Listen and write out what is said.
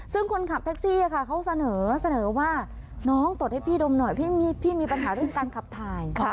ซึ่งคนขับแท็กซี่เขาเสนอว่าน้องตดให้พี่ดมหน่อยพี่มีปัญหาเรื่องการขับถ่าย